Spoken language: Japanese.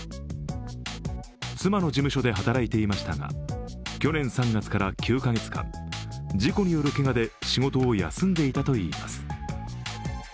妻の事務所で働いていましたが去年３月から９カ月間、事故によるけがで仕事を休んでいたといいます。